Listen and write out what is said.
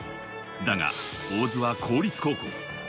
だが大津は公立高校。